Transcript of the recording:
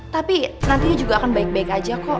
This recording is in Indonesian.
tapi nantinya juga akan baik baik aja kok